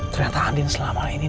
ternyata andi selama ini